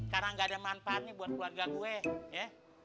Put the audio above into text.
karena gak ada manfaatnya buat keluarga gue